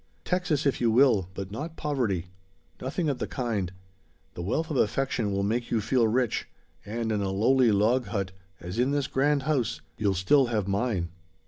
"Texas, if you will, but not poverty. Nothing of the kind. The wealth of affection will make you feel rich; and in a lowly log hut, as in this grand house, you'll still have mine."